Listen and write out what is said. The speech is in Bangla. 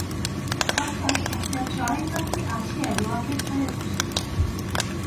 হঠাৎ একটা চড়াই পাখী আসিয়া রোয়াকের ধারে বসে।